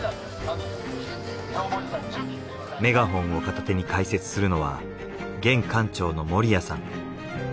メガホンを片手に解説するのは現館長の守矢さん。